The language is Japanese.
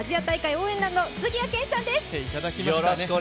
応援団の杉谷拳士さんです。